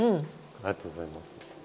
ありがとうございます。